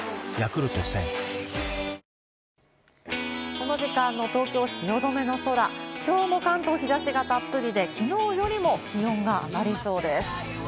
この時間の東京・汐留の空、きょうも関東は日差しがたっぷりで、きのうよりも気温が上がりそうです。